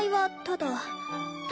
ただ？